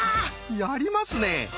やりますね！